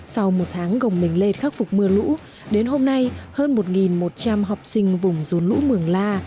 sau một tháng gồng mình lên khắc phục mưa lũ đến hôm nay hơn một một trăm linh học sinh vùng rốn lũ mường la